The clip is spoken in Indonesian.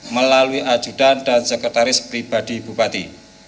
melalui ajudan dan sekretaris pribadi bupati